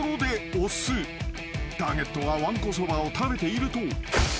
［ターゲットがわんこそばを食べていると］